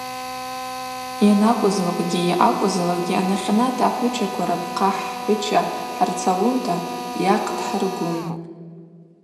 Йанакӏвызлакӏгьи, йъакӏвызлакӏгьи анахьанат ахӏвычаква рапхъа хӏхӏвыча хӏырцалунта йахъдхӏыргун.